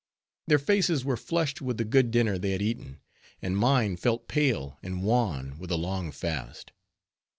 Their faces were flushed with the good dinner they had eaten; and mine felt pale and wan with a long fast.